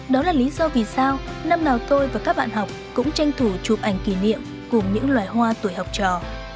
đó là lý do vì sao năm nào tôi và các bạn học cũng tranh thủ chụp ảnh kỷ niệm cùng những loài hoa tuổi học trò